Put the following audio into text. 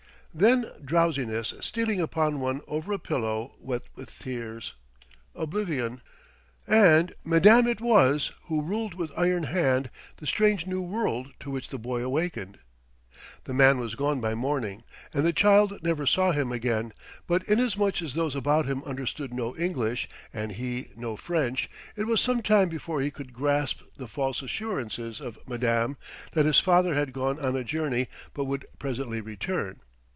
Then drowsiness stealing upon one over a pillow wet with tears ... oblivion.... And Madame it was who ruled with iron hand the strange new world to which the boy awakened. The man was gone by morning, and the child never saw him again; but inasmuch as those about him understood no English and he no French, it was some time before he could grasp the false assurances of Madame that his father had gone on a journey but would presently return.